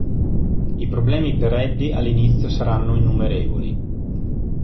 I problemi per Eddie all'inizio saranno innumerevoli.